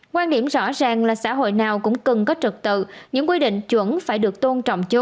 quan điểm rõ ràng là xã hội nào cũng cần có trật tự những quy định chuẩn phải được tôn trọng